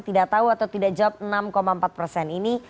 tidak tahu atau tidak jawab enam empat persen ini